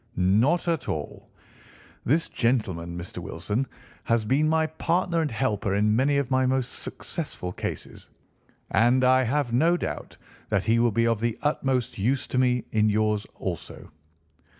"Not at all. This gentleman, Mr. Wilson, has been my partner and helper in many of my most successful cases, and I have no doubt that he will be of the utmost use to me in yours also."